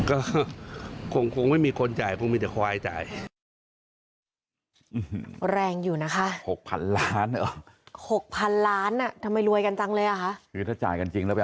อันนี้มันมีคนจ่ายไหมครับ